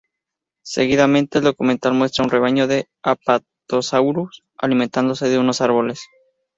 Seguidamente el documental muestra un rebaño de "Apatosaurus" alimentándose de unos árboles.